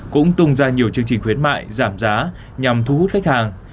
cũng tung ra nhiều chương trình khuyến mại giảm giá nhằm thu hút khách hàng